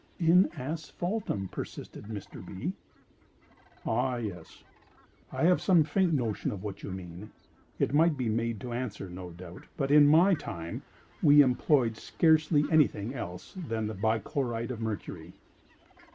"In asphaltum," persisted Mr. B. "Ah, yes; I have some faint notion of what you mean; it might be made to answer, no doubt—but in my time we employed scarcely any thing else than the Bichloride of Mercury."